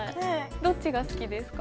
どっちが好きですか？